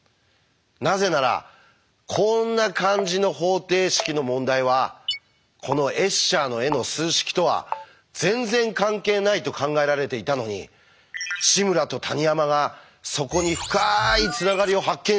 なぜならこんな感じの方程式の問題はこのエッシャーの絵の数式とは全然関係ないと考えられていたのに志村と谷山がそこに深いつながりを発見したんですから！